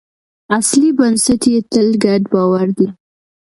اصلي بنسټ یې تل ګډ باور وي.